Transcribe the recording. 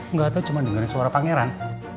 nggak tau cuma dengerin suara pangeran